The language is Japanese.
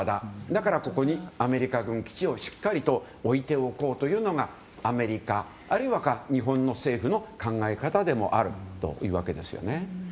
だからここにアメリカ軍基地をしっかりと置いておこうというのがアメリカ、あるいは日本の政府の考え方でもあるというわけです。